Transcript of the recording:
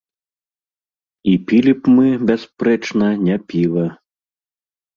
І пілі б мы, бясспрэчна, не піва.